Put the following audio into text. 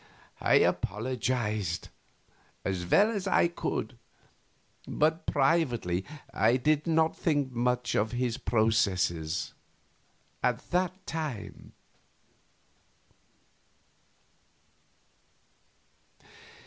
I apologized, as well as I could; but privately I did not think much of his processes at that time.